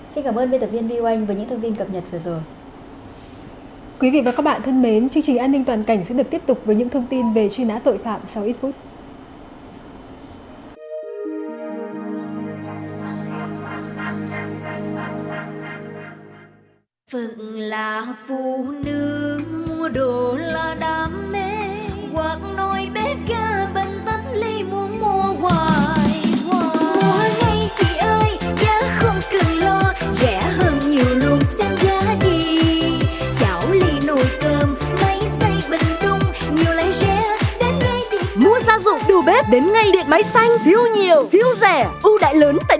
xin cảm ơn biên tập viên viu anh với những thông tin cập nhật vừa rồi